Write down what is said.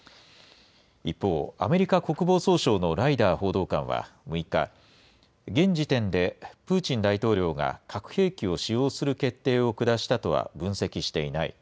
一方、アメリカ国防総省のライダー報道官は６日、現時点でプーチン大統領が核兵器を使用する決定を下したとは分析していない。